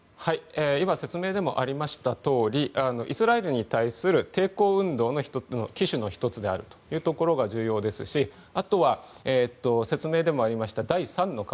今、説明でもありましたとおりイスラエルに対する抵抗運動の旗手の１つであるということが重要ですし、あとは説明でもありました第３の顔。